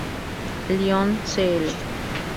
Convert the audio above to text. Lyon", Cl.